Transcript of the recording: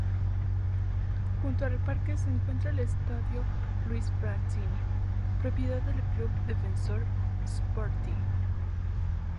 Junto al parque se encuentra el Estadio Luis Franzini, propiedad del club Defensor Sporting.